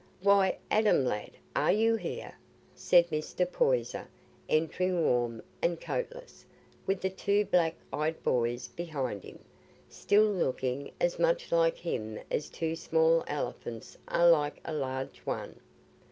"Why, Adam, lad, are you here?" said Mr. Poyser, entering warm and coatless, with the two black eyed boys behind him, still looking as much like him as two small elephants are like a large one.